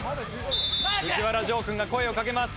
藤原丈くんが声をかけます。